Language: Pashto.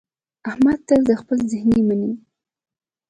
احمد تل د خپل زړه مني.